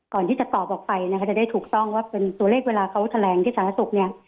ก่อนที่จะตอบออกไปนะคะจะได้ถูกต้องว่าเป็นตัวเลขเวลาเขาแถลงที่สาธารณสุขเนี่ย